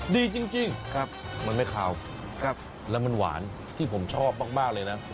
ดีจริงครับมันไม่ขาวแล้วมันหวานที่ผมชอบมากเลยนะ